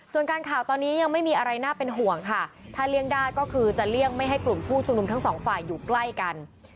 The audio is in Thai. ส่วนการข่าวตอนนี้ยังไม่มีอะไรน่าเป็นห่วงค่ะถ้าเลี่ยงได้ก็คือจะเลี่ยงไม่ให้กลุ่มผู้ชุมนุมทั้งสองฝ่ายอยู่ใกล้กัน